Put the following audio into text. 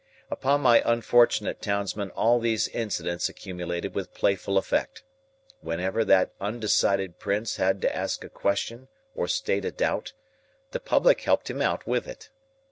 Upon my unfortunate townsman all these incidents accumulated with playful effect. Whenever that undecided Prince had to ask a question or state a doubt, the public helped him out with it.